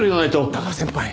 だから先輩！